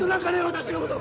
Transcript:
私のこと